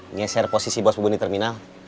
nyeser posisi bos bubun di terminal